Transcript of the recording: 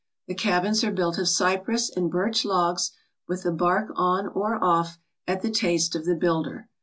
The cabins are built of cypress and birch logs, with the bark on or off at the taste of the builder.